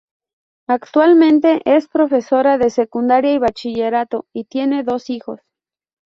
Actualmente es profesora de secundaria y bachillerato y tiene dos hijos.